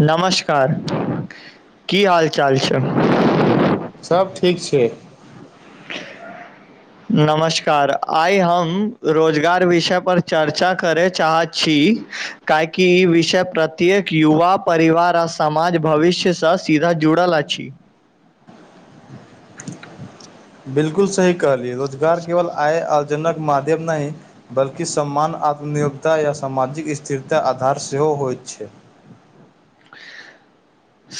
नमस्कार की हाल चाल छै सब ठीक छै नमस्कार आइ हम रोजगार विषय पर चर्चा करय चाहे छी काइकि ई विषय प्रत्येक युवा परिवार आ समाज भविष्यसँ सीधा जुड़ल अछि बिलकुल सही कहलिये रोजगार केवल आय आर्जनक माध्यम नाहि बल्की सम्मान आत्मनियोगता या सामाजिक स्थिरता आधार सेहो होइत छै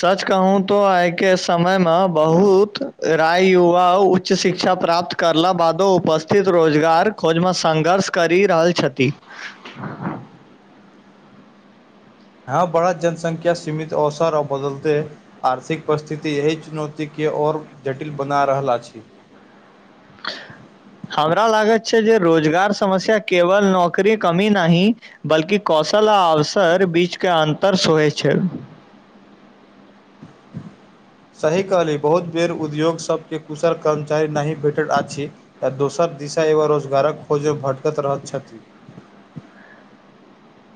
सच कहूँ तो आइ के समय मे बहुत राय युवा उच्च शिक्षा प्राप्त करला बादो उपस्थित रोजगार खोज मे संघर्ष करि रहल छथि हँ बड़ा जनसंख्या सीमित अवसर आ बदलतेै आर्शिक परिस्थिति यह चुनौती के ओर जटिल बना रहल अछि हमरा लागै छै जे रोजगार समस्या केवल नौकरी कमी नाहि बल्कि कौशल आ अवसर बीच के अन्तर स होइ छै [inaudible] सही कहली बहुत बेर उद्योग सबके कुशल कर्मचारी नाहि भेटल आछि त दोसर दिशा एवा रोजगारक खोज भटकत रहैत छथि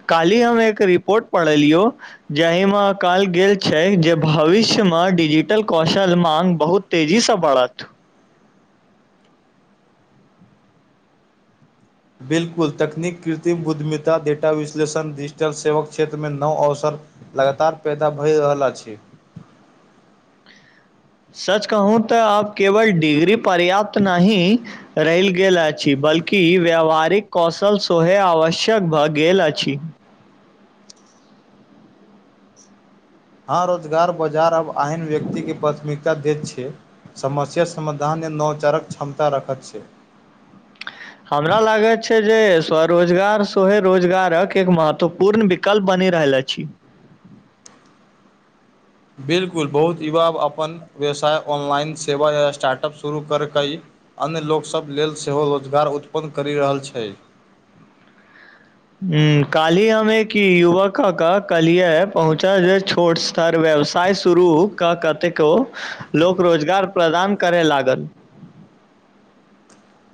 काल्हि हम एक रिपोर्ट पढ़लियो जाहि मे कहल गेल छै जे भविष्य म डिजिटल कौशल मांग बहुत तेजी सँ बढ़त बिलकुल तकनीक कृत्रिम बुद्धिमिता डेटा विश्लेषण डिजिटल सेवक क्षेत्रमे नव अवसर लगातार पैदा भए रहल अछि सच कहूँ त अब केवल डिग्री पर्याप्त नाहीं रैईल गेल अछि बल्कि व्यावहारिक कौशल सोहे आवश्यक भ गेले अछि हँ रोजगार बाजार आब आहन व्यक्ति के प्राथमिकता दैत छै समस्या समाधान नवचारक क्षमता रखत छै हमरा लागैत छै जे स्वरोजगार स्वहे रोजगारक एक महत्वपूर्ण वि कल बनि रहल अछि बिलकुल बहुत युवा अपन व्यवसाय ऑनलाइन सेवा या स्टार्टअप शुरू करकई अन्य लोकसभ लेल सेहो रोजगार उत्पन्न करि रहल छै हूॅं कालीय हमे की युवक कका कलिया पहुँचा जे छोट से तर व्यवसाय शुरू क कतेको लोक रोजगार प्रदान करय लागल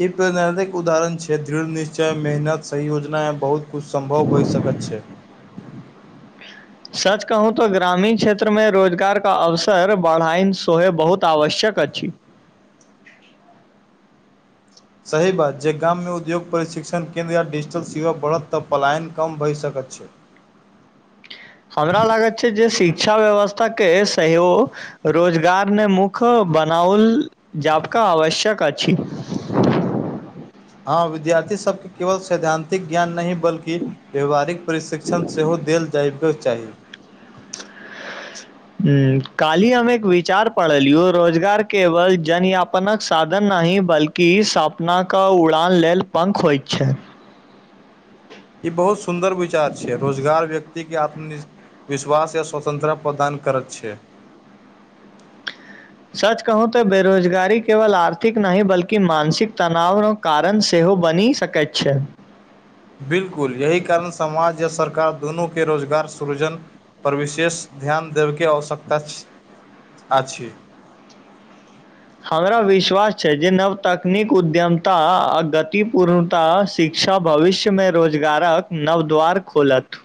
ई प्रिक [unintelligible] उदाहरण छै दृढ़ निश्चय मेहनत सही योजना य बहुत कुछ सम्भव भ सकैत छै [inaudible] सच कहूँ त ग्रामीण क्षेत्र मे रोजगार के अवसर बढ़ाइन सहो बहुत आवश्यक अछि सही बात जे गाममे उद्योग प्रशिक्षण केन्द्र आ डिजिटल सेवा बढ़त त पलायन कम भई सकैत छै हमरा लागैत छै जे शिक्षा व्यवस्था के संयो रोजगार ने मुख्य बनाओल जाबका आवश्यक अछि ह विद्यार्थी सब के केवल सैद्धांतिक ज्ञान नहि बल्कि व्यावहारिक प्रशिक्षण सेहो देल जायको चाही ह काल्हि अमे एक विचार पढ़लियो रोजगार केवल जन य नक साधन नाहि बल्कि सापनाके उड़ान लेल पंख होई छै ई बहुत सुन्दर विचार छै रोजगार व्यक्ति के आत्मनि विश्वास या स्वतन्त्रता प्रदान करै छै सच कहू तऽ बेरोजगारी केवल आर्थिक नाहि बल्कि मानसिक तनाव कारण सेहो बनि सकैत छै बिलकुल यही कारण समाज या सरकार दूनू के रोजगार सृजन पर विशेष ध्यान देबयके आवश्यकता आछि हमरा विश्वास छै जे नव तकनीक उद्यमता आ गति पूर्णता शिक्षा भविष्यमे रोजगारक नवद्वार खोलत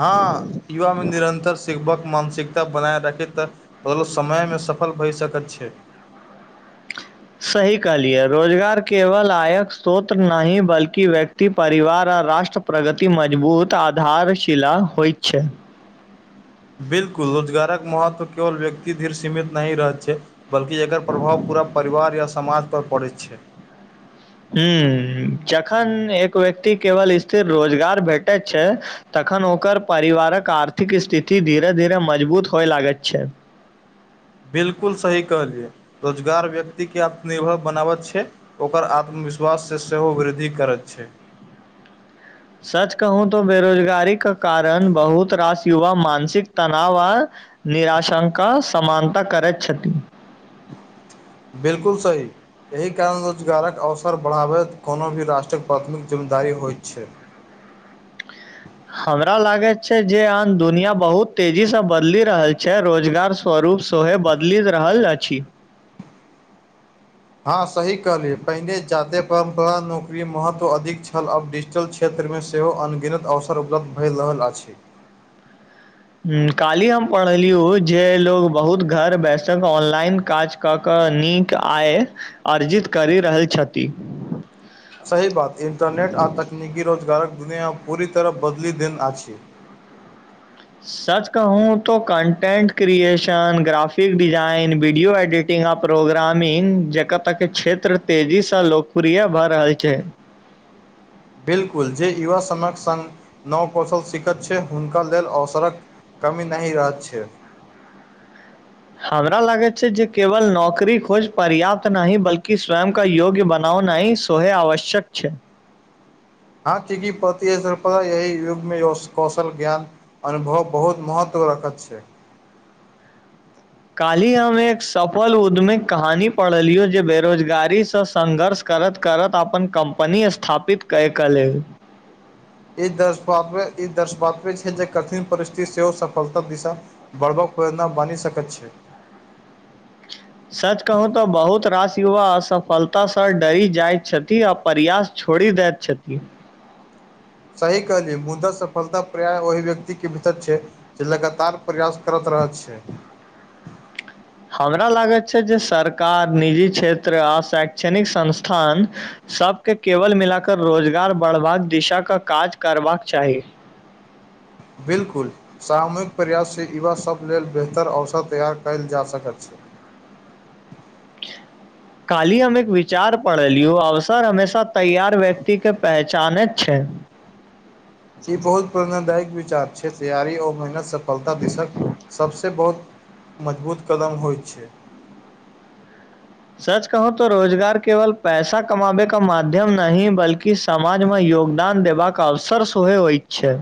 हँ युवा मे निरन्तर शिकभक मानसिकता बनाय रखे त बलो समय में सफल भऽ सकैत छै आ सही कहलिए रोजगार केवल आयक सोत्र नाहि बल्कि व्यक्ति परिवार आ राष्ट्र प्रगति मजबूत आधारशिला होइ छै बिल्कुल रोजगारक महत्व केवल व्यक्ति धीर सीमित नहि रहै छै बल्कि एकर प्रभाव पूरा परिवार या समाज पर पड़ै छै ह जखन एक व्यक्ति केवल स्थिर रोजगार भेटै छै तखन ओकर परिवारक आर्थिक स्थिति धीरे धीरे मजबूत होए लागैत छै बिलकुल सही कहलियै रोजगार व्यक्ति के आत्मनिर्भर बनाब छै ओकर आत्मविश्वास सँ सेहो वृद्धि करैत छै सच कहू तो बेरोजगारी क कारण बहुत रास युवा मानसिक तनाव आ निराशंका समानता करैत छथिन बिलकुल सही एहि कारण रोजगारक अवसर बढ़ाबैत कोनो भी राष्ट्रक प्राथमिक जिम्मेदारी होइत छै हमरा लागैत छै जे आन दुनिया बहुत तेजी से बदलि रहल छै रोजगार स्वरूप सहे बदलि रहल अछि हँ सही कहलियै पहिने जाते परम्परा नौकरी महत्व अधिक छल आब डिजिटल क्षे त्रमे सेहो अनगिनत अवसर उपलब्ध भऽ रहल अछि ह काली हम पढ़लीयौ जे लोग बहुत घर बैसक ऑनलाइन काज क कऽ नीक आय अर्जित करि रहल छथि सही बात इन्टरनेट आ तकनीकी रोजगारक दुनिआ पूरी तरह बदलि देन आछि सच कहूं तो content creation graphic design video edit आ प्रोग्रामिंग जकरय तक क्षेत्र तेजीसँ लोकप्रिय भऽ रहल छै बिलकुल जे युवा सनक सङ्ग नव कौशल शिखक छै हुनका लेल अवसरक कमी नहि रहत छै हमरा लागैत छै जे केवल नौकरी खोज पर्याप्त नाही बल्कि स्वयं का योग्य बनाउ नाही सोहे आवश्यक छै हँ चीकि पति सृ यही युगमे कौशल ज्ञान [unintelligible] अनुभव बहुत महत्व रखत छै काल्हि हम एक सफल उद्यमे कहानी पढ़लियै जे बेरोजगारी सँ सङ्घर्ष करत करत आपन कम्पनी स्थापित कए क लेब ई दर्शाते ई [unintelligible] दर्शवाते छै जे कठिन परिस्थिति सेहो सफलता दिशा बड़द कोेना बानी सकैत छै सच कहू तऽ बहुत रास युवा असफलता सँ डरी जाइत छथि आ प्रयास छोड़ि देैत छति सही कहलियै मुदा सफलता पर्याय ओहि व्यक्तिक के भीतर छै जे लगातार प्रयास करत रह छै हमरा लागैत छै जे सरकार निजी क्षेत्र आ शैक्षणिक संस्थान सभ के केवल मिलाकऽ रोजगार बढ़बाक दिशाक काज करबाक चाही बिलकुल सामूहिक प्रयासे युवासभ लेल बेहतर अवसर तैयार कयल जा सकैत छै [unintelligible] काली हम एक विचार पढलियौ अवसर हमेशा तैयार व्यक्ति के पहचाने छै ई बहुत प्रेरणा दायक विचार छै तैयार औ मेहनतसे सफलता दिसक सबस बहुत मजबूत कदम होयत छै सच कहूॅं तो रोजगार केवल पैसा कमाबे का माध्यम नहि बल्कि समाज मे योगदान देबाक अवसर सेहो होयत छै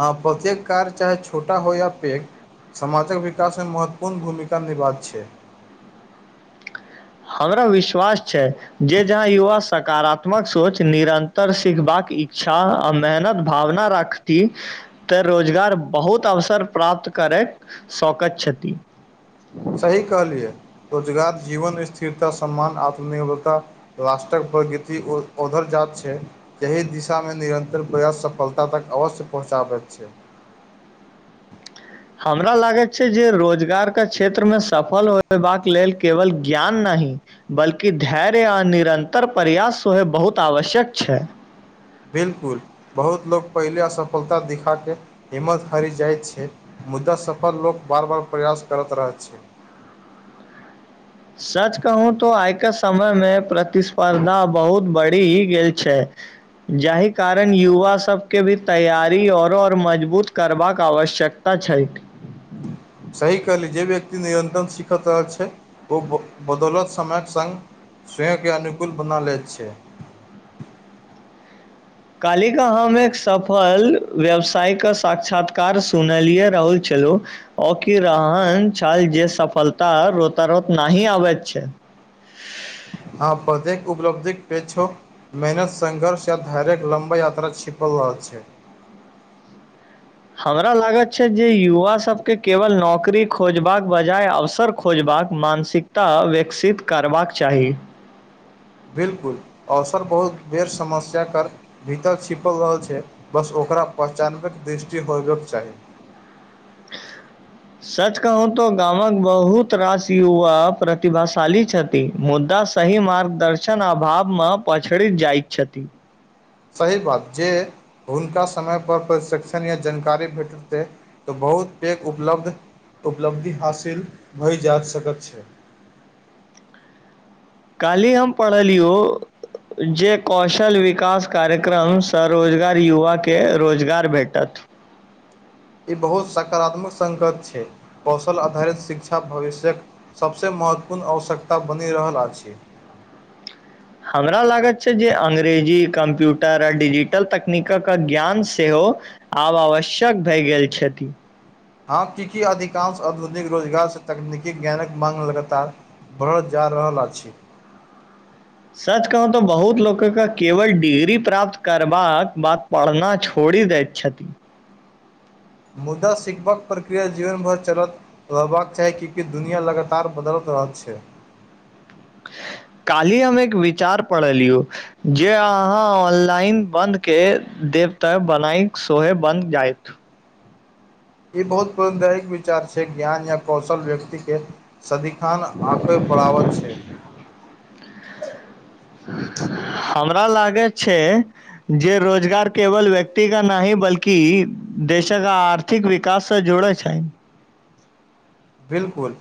हँ प्रत्येक कार चाहे छोटा हो या पैघ समाचल विकास मे महत्वपूर्ण भूमिका निभाक छै हमरा विश्वास छै जे जहाँ युवा सकारात्मक सोच निरंतर सिखबाक इच्छा आ मेहनत भावना राख ती तऽ रोजगार बहुत अवसर प्राप्त करयक शौकत छथि सही कहलियै रोजगार जीवन स्थिरता सम्मान आत्मनिर्भरता राष्ट्रक प्रगति औध ओधर जात छै एहि दिशा में निरन्तर प्रयास सफलता तक अवश्य पहुँचाबैत छै हमरा लागैत छै जे रोजगार के क्षेत्र में सफल होयबाक लेल केवल ज्ञान नहि बल्कि धैर्य आ निरन्तर प्रयास सेहोे बहुत आवश्यक छै बिलकुल बहुत लोक पहिले असफलता दिखा कऽ हिम्मत हारि जाइत छै मुद्दा सफल लोक बार बार प्रयास करत रहत छै सच कहू तो आई के समय मे प्रतिस्पर्धा बहुत बढ़ी गेल छै जाहि कारण युवा सभ के भी तैयारी आओर आओर मजबूत करबाक आवश्यक अच्छा [unintelligible] सही कहली जे व्यक्ति नियन्त्रण सीखैत रहल छै ओ बदौलत समयक सङ्ग स्वयं के अनुकूल बना लैत छै काल्हि के हम एक सफल व्यवसायके साक्षात्कार सुनलियए रहु छलहुँ औकी रहन छल जे सफलता रोतऽ रोत नही आबैत छै हँ प्रत्येक उपलब्धिक पेघ छो मेहनत संघर्ष य धैर्य लम्बा यात्रा छिपल रहल छै हमरा लागत छै जे युवा सभके केवल नौकरी खोजबाक बजाय अवसर खोजबाक मानसिकता विकसित करबाक चाही बिल्कुल अवसर बहुत बेर समस्या कर भीतर छिपल रहल छै बस ओकरा पहचानबैके दृष्टि होयबाक चाही [inaudible] सच कहूँ तऽ गामक बहुत रास युवा प्रतिभाशाली छथि मुद्दा सही मार्गदर्शन अभाव मे पछड़ि जाइत छथि सही बात जे हुनका समय पर प्रशिक्षण या जानकारी भेटतै तऽ बहुत पैघ उपलब्ध उपलब्धि हासिल भए जा सकत छै काल्हि हम पढ़लियौ जे कौशल विकास कार्यक्रम स रोजगार युवाके रोजगार भेटत ई बहुत सकारात्मक संगत छै कौशल आधारित शिक्षा भविष्यक सबसँ महत्वपूर्ण आवश्यकता बनि रहल अछि हमरा लागैत छै जे अंग्रेजी कम्प्यूटर आ डिजिटल तकनीकक ज्ञान सेहो आब आवश्यक भए गेल छथि हँ की की अधिकांश आध्युनिक रोजगारसँ तकनीकी ज्ञानक माँग लगातार बढ़ल जा रहल अछि सच कहू तऽ बहुत लोकक केवल डिग्री प्राप्त करबाक बात पढ़ना छोड़ि दैत छथिन मुदा सिखबक प्रक्रिया जीवन भर चलत रहबाक चाही कियाकी दुनिआ लगातार बदल रहल छै काल्हि हम एक विचार पढ़लियौ जे अहाँ ऑनलाइन बन्दके देब तऽ बनाय सोहे बन्द जायत ई बहुत पौरानदायिक विचार छै ज्ञान या कौशल व्यक्ति के सदिखान आँखर बरावत छै हमरा लागै छै जे रोजगार केवल वेक्ति का नाहि बल्कि देश क आर्थि क विकास से जुड़ैत छनि बिलकुल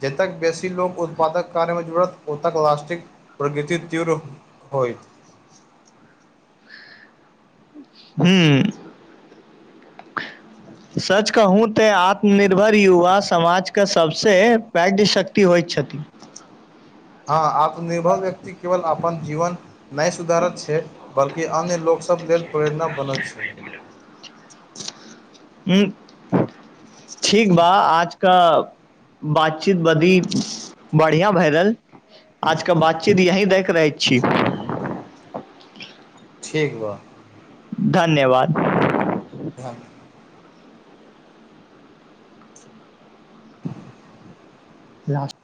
जेतक बेसी लोक उत्पादक कार्य मे जूड़त ओतक लास्टिक प्रगति तीव्र होइत हू सच कहूँ तऽ आत्मनिर्भर युवा समाज के सभ सँ पैघ शक्ति होइत छथि हँ आत्मनिर्भर व्यक्ति केवल आपन जीवन नहि सुधारत छै बल्कि अन्य लोकसभ लेल प्रेरणा बनल छै ह ठीक बा आज का बातचीत बदी बढ़िया भैलल आज का बातचीत यही देख रहै छी ठीक बा धन्यवाद हँ ल [unintelligible]